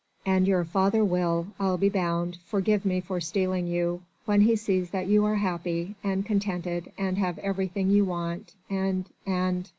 And your father will, I'll be bound, forgive me for stealing you, when he sees that you are happy, and contented, and have everything you want and ... and...."